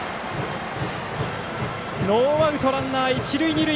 ノーアウトランナー、一塁二塁。